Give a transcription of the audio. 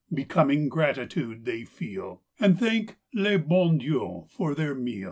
Becoming gratitude they feel. And thank le bon Dieii for their meal.